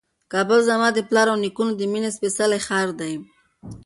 کابل زما د پلار او نیکونو د مېنې سپېڅلی ښار دی.